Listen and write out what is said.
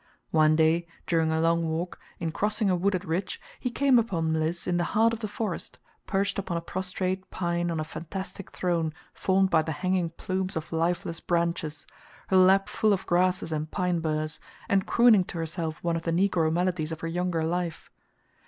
One day, during a long walk, in crossing a wooded ridge he came upon Mliss in the heart of the forest, perched upon a prostrate pine on a fantastic throne formed by the hanging plumes of lifeless branches, her lap full of grasses and pine burrs, and crooning to herself one of the Negro melodies of her younger life.